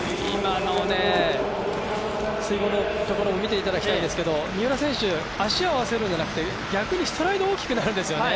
水濠のところを見ていただきたいんですけど三浦選手、足を合わせるんじゃなくて、逆に大きくなるんですよね